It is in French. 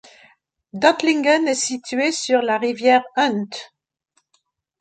Dötlingen est située sur la rivière Hunte.